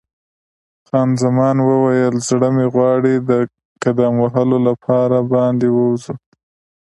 خان زمان وویل: زړه مې غواړي د قدم وهلو لپاره باندې ووځو.